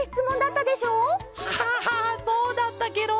はあそうだったケロ。